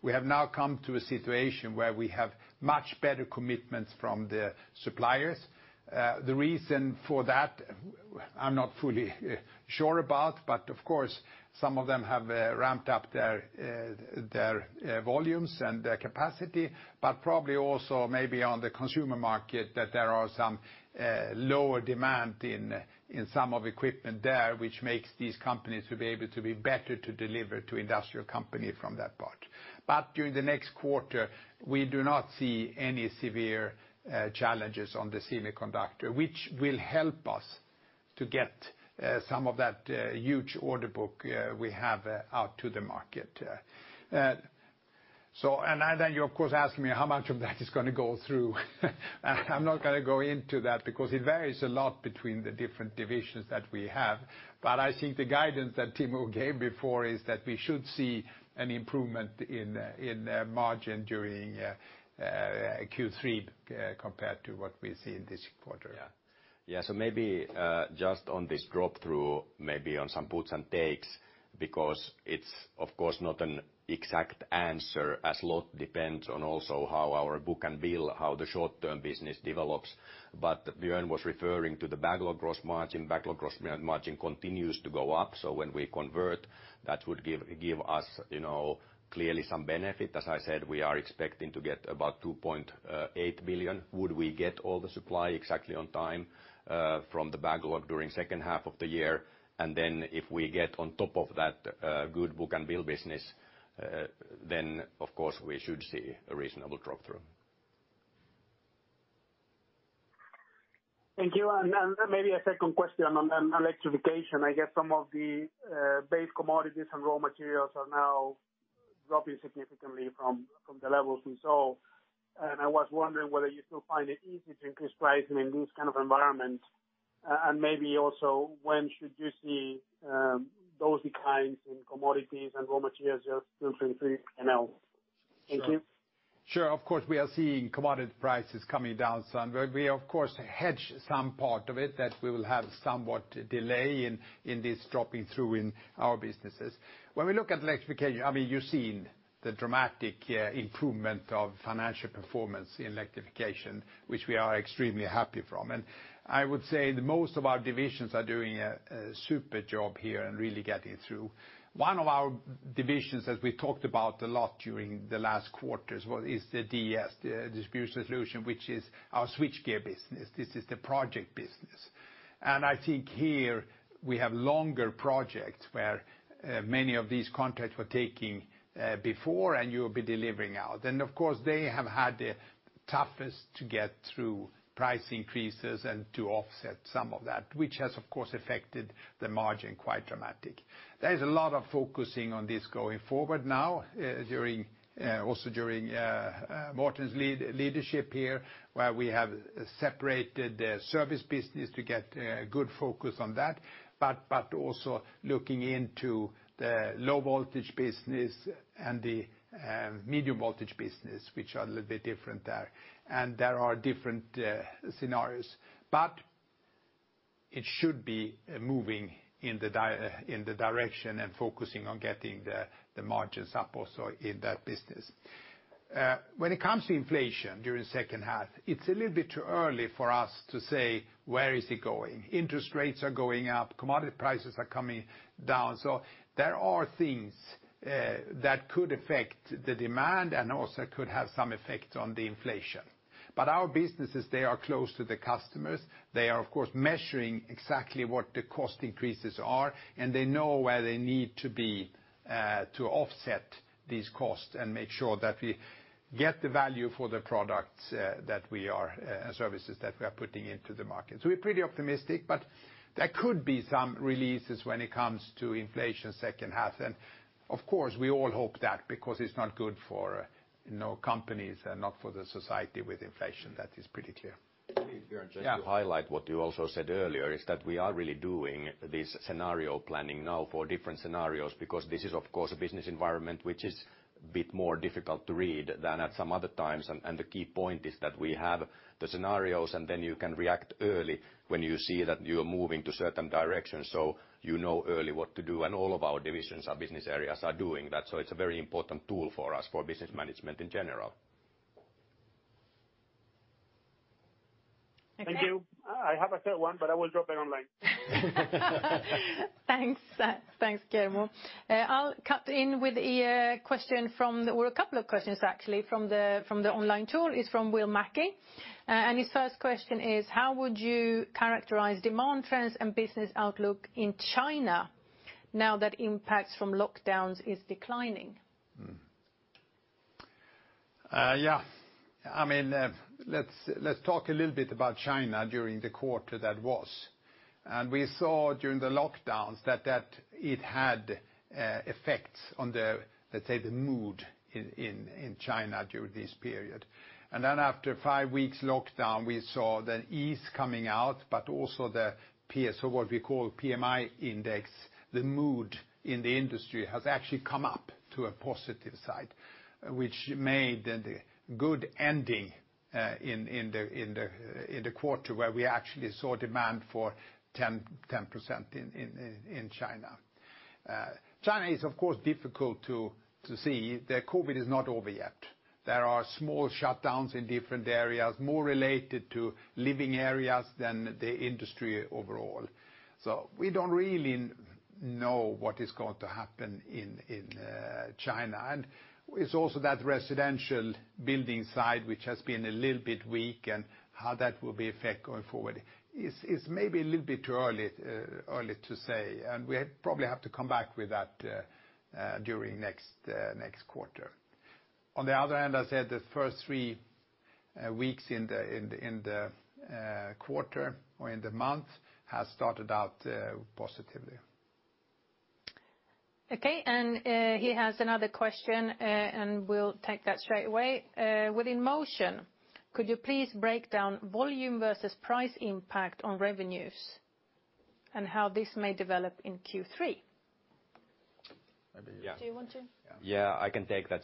We have now come to a situation where we have much better commitments from the suppliers. The reason for that, well, I'm not fully sure about, but of course some of them have ramped up their volumes and their capacity, but probably also maybe on the consumer market that there are some lower demand in some of equipment there, which makes these companies to be able to be better to deliver to industrial company from that part. During the next quarter, we do not see any severe challenges on the semiconductor, which will help us to get some of that huge order book we have out to the market. And then you of course ask me how much of that is gonna go through. I'm not gonna go into that because it varies a lot between the different divisions that we have. I think the guidance that Timo gave before is that we should see an improvement in margin during Q3 compared to what we see in this quarter. Yeah so maybe just on this drop-through, maybe on some puts and takes, because it's of course not an exact answer, as a lot depends on also how our book-to-bill, how the short-term business develops. Björn was referring to the backlog gross margin. Backlog gross margin continues to go up, so when we convert, that would give us, you know, clearly some benefit. As I said, we are expecting to get about $2.8 billion, would we get all the supply exactly on time, from the backlog during second half of the year. Then if we get on top of that, good book-to-bill business, then of course we should see a reasonable drop-through. Thank you. Maybe a second question on electrification. I guess some of the base commodities and raw materials are now dropping significantly from the levels we saw, and I was wondering whether you still find it easy to increase pricing in this kind of environment? Maybe also when should you see those declines in commodities and raw materials just in Q3 and later? Thank you. Sure. Of course, we are seeing commodity prices coming down some, where we of course hedge some part of it, that we will have somewhat delay in in this dropping through in our businesses. When we look at Electrification, I mean, you've seen the dramatic improvement of financial performance in Electrification, which we are extremely happy from. I would say most of our divisions are doing a super job here and really getting through. One of our divisions, as we talked about a lot during the last quarters, is the DS, the Distribution Solutions, which is our switchgear business. This is the project business. I think here we have longer projects where many of these contracts were taking before, and you'll be delivering out. Of course, they have had the toughest to get through price increases and to offset some of that, which has of course affected the margin quite dramatic. There's a lot of focusing on this going forward now, during also during Morten's leadership here, where we have separated the service business to get good focus on that, but also looking into the low-voltage business and the medium-voltage business, which are a little bit different there. There are different scenarios. It should be moving in the direction and focusing on getting the margins up also in that business. When it comes to inflation during the second half, it's a little bit too early for us to say where is it going. Interest rates are going up, commodity prices are coming down. There are things that could affect the demand and also could have some effect on the inflation. Our businesses, they are close to the customers. They are of course measuring exactly what the cost increases are, and they know where they need to be, to offset these costs and make sure that we get the value for the products and services that we are putting into the market. We're pretty optimistic, but there could be some relief when it comes to inflation second half. Of course, we all hope that because it's not good for, you know, companies and not for the society with inflation. That is pretty clear. Maybe, Björn, just to highlight what you also said earlier, is that we are really doing this scenario planning now for different scenarios, because this is of course a business environment which is a bit more difficult to read than at some other times. The key point is that we have the scenarios, and then you can react early when you see that you're moving to certain directions, so you know early what to do. All of our divisions, our business areas are doing that, so it's a very important tool for us for business management in general. Thank you. Alright, I have a third one, but I will drop it online. Thanks. Thanks, Guillermo. I'll cut in with a question from the online tool, or a couple of questions, actually, from the online tool. It is from William Mackie. His first question is: How would you characterize demand trends and business outlook in China now that impacts from lockdowns is declining? Yeah. I mean, let's talk a little bit about China during the quarter that was. We saw during the lockdowns that it had effects on the, let's say, the mood in China during this period. Then after five-week lockdown, we saw the easing coming out, but also the PMI, or what we call PMI index, the mood in the industry has actually come up to a positive side, which made a good ending in the quarter where we actually saw demand for 10% in China. China is of course difficult to see. The COVID is not over yet. There are small shutdowns in different areas, more related to living areas than the industry overall. We don't really know what is going to happen in China, and it's also that residential building side which has been a little bit weak, and how that will be affected going forward. It's maybe a little bit too early to say, and we probably have to come back with that during next quarter. On the other hand, I said the first three weeks in the quarter or in the month has started out positively. Okay. He has another question, and we'll take that straight away. Within Motion, could you please break down volume versus price impact on revenues and how this may develop in Q3? Maybe yeah. Do you want to? Yeah, I can take that.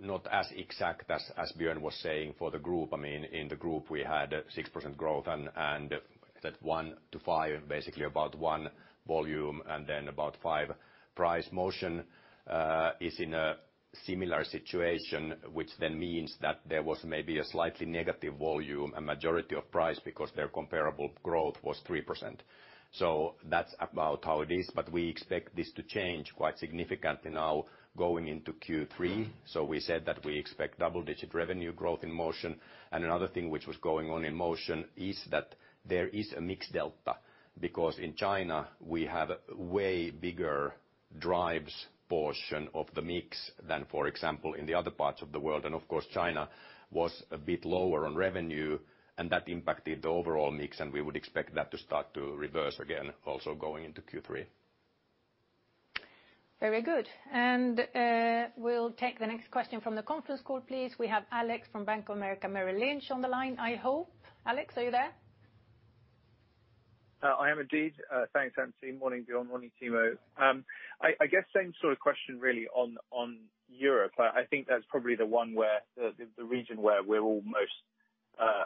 Not as exact as Björn was saying for the group. I mean, in the group, we had 6% growth and that 1%-5%, basically about 1% volume and then about 5% price. Motion is in a similar situation, which then means that there was maybe a slightly negative volume, a majority of price because their comparable growth was 3%. That's about how it is. We expect this to change quite significantly now going into Q3. We said that we expect double-digit revenue growth in Motion. Another thing which was going on in Motion is that there is a mix delta, because in China, we have way bigger drives portion of the mix than, for example, in the other parts of the world. Of course, China was a bit lower on revenue, and that impacted the overall mix, and we would expect that to start to reverse again also going into Q3. Very good. We'll take the next question from the conference call, please. We have Alex from BofA Merrill Lynch on the line, I hope. Alex, are you there? I am indeed. Thanks, Ancy. Morning, Björn. Morning, Timo. I guess same sort of question really on Europe. I think that's probably the one where the region where we're all most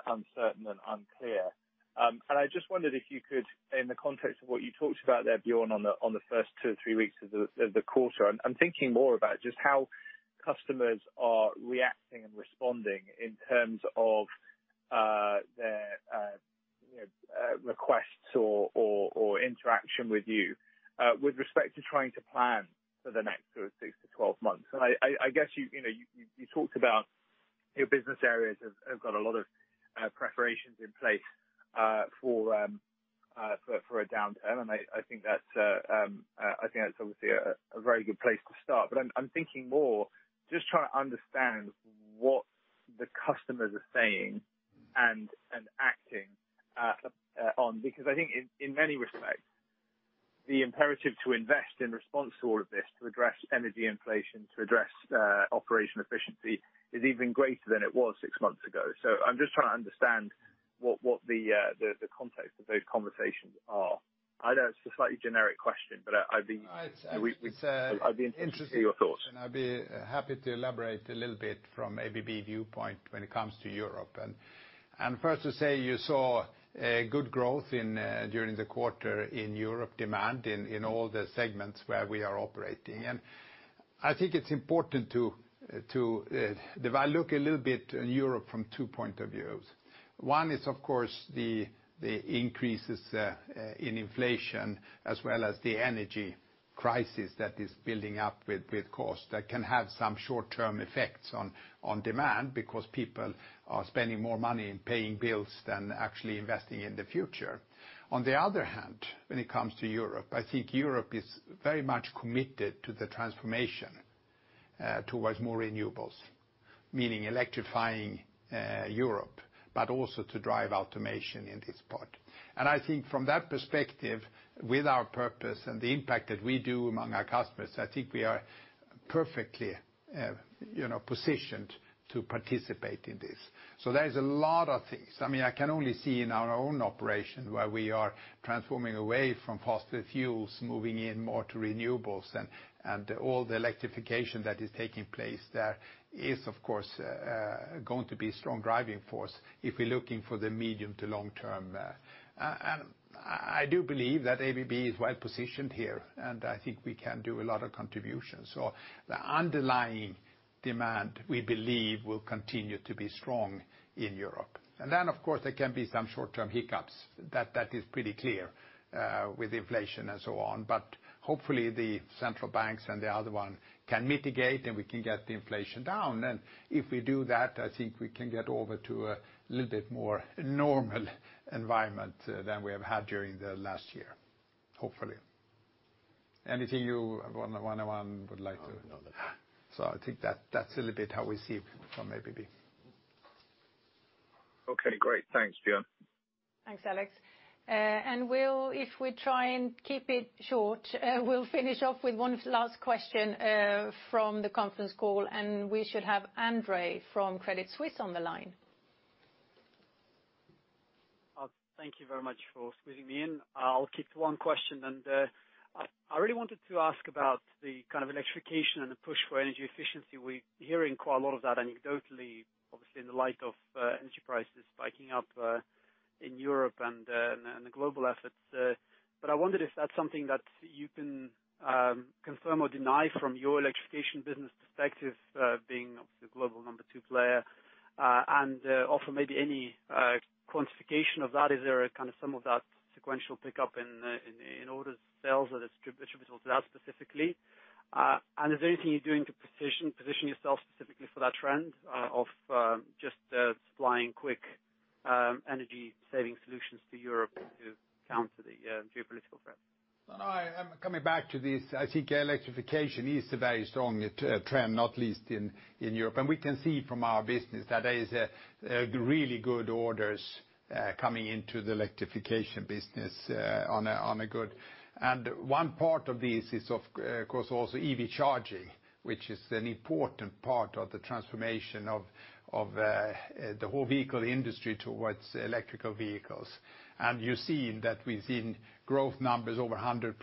uncertain and unclear. I just wondered if you could, in the context of what you talked about there, Björn, on the first two or three weeks of the quarter, I'm thinking more about just how customers are reacting and responding in terms of their you know requests or interaction with you with respect to trying to plan for the next sort of six to 12 months. I guess you know you talked about your business areas have got a lot of preparations in place for a downturn. I think that's obviously a very good place to start. I'm thinking more just trying to understand what the customers are saying and acting on. Because I think in many respects, the imperative to invest in response to all of this, to address energy inflation, to address operational efficiency, is even greater than it was six months ago. I'm just trying to understand what the context of those conversations are. I know it's a slightly generic question, but I'd be- It's I'd be interested to hear your thoughts. I'd be happy to elaborate a little bit from ABB viewpoint when it comes to Europe. First to say you saw good growth during the quarter in Europe, demand in all the segments where we are operating. I think it's important to if I look a little bit in Europe from two points of view. One is, of course, the increases in inflation as well as the energy crisis that is building up with costs that can have some short-term effects on demand because people are spending more money in paying bills than actually investing in the future. On the other hand, when it comes to Europe, I think Europe is very much committed to the transformation towards more renewables, meaning electrifying Europe, but also to drive automation in this part. I think from that perspective, with our purpose and the impact that we do among our customers, I think we are perfectly, you know, positioned to participate in this. There is a lot of things. I mean, I can only see in our own operation where we are transforming away from fossil fuels, moving in more to renewables and all the electrification that is taking place there is of course going to be a strong driving force if we're looking for the medium to long term. I do believe that ABB is well positioned here, and I think we can do a lot of contributions. The underlying demand, we believe, will continue to be strong in Europe. Then, of course, there can be some short-term hiccups. That is pretty clear with inflation and so on. Hopefully, the central banks and the other one can mitigate, and we can get the inflation down. If we do that, I think we can get over to a little bit more normal environment than we have had during the last year. Hopefully. Anything you want to would like to. No. I think that's a little bit how we see it from ABB. Okay, great. Thanks, Björn. Thanks, Alex. We'll, if we try and keep it short, we'll finish off with one last question from the conference call, and we should have Andre from Credit Suisse on the line. Thank you very much for squeezing me in. I'll keep to one question. I really wanted to ask about the kind of Electrification and the push for energy efficiency. We're hearing quite a lot of that anecdotally, obviously in the light of energy prices spiking up in Europe and the global efforts. I wondered if that's something that you can confirm or deny from your Electrification business perspective, being obviously the global number two player. Also maybe any quantification of that. Is there a kind of some of that sequential pickup in order sales that attributes to that specifically? Is there anything you're doing to position yourself specifically for that trend of just supplying quick energy-saving solutions to Europe to counter the geopolitical threat? No, I am coming back to this. I think electrification is a very strong trend, not least in Europe. We can see from our business that there is really good orders coming into the Electrification business. One part of this is of course also EV charging, which is an important part of the transformation of the whole vehicle industry towards electric vehicles. You've seen that we've seen growth numbers over 100%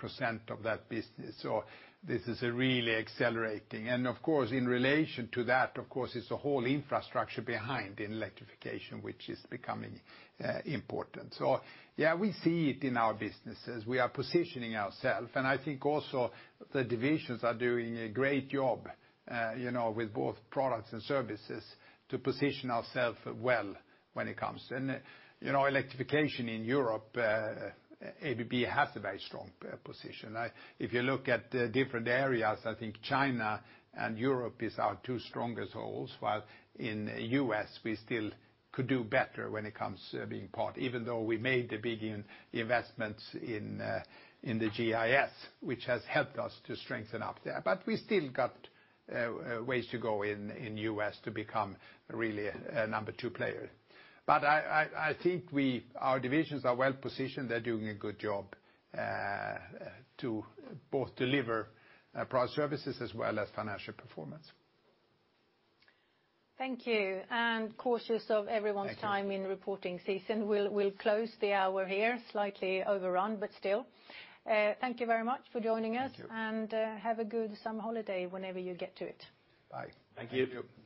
of that business, so this is really accelerating. Of course, in relation to that, of course, it's a whole infrastructure behind the electrification, which is becoming important. Yeah, we see it in our businesses. We are positioning ourselves. I think also the divisions are doing a great job, you know, with both products and services to position ourselves well when it comes. You know, Electrification in Europe, ABB has a very strong position. If you look at the different areas, I think China and Europe are our two strongest holds. While in U.S., we still could do better when it comes to being part, even though we made the big investments in the GIS, which has helped us to strengthen up there. We still got ways to go in U.S. to become really a number two player. I think our divisions are well positioned. They're doing a good job to both deliver products and services as well as financial performance. Thank you. Conscious of everyone's time. Thank you. In reporting season, we'll close the hour here. Slightly overrun, but still. Thank you very much for joining us. Thank you. Have a good summer holiday whenever you get to it. Bye. Thank you. Thank you.